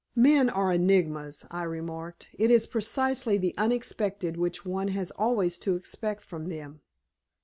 "Men are enigmas," I remarked. "It is precisely the unexpected which one has always to expect from them."